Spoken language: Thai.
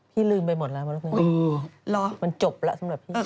พี่ลืมไปหมดแล้วมารถเมียมันจบแล้วสำหรับพี่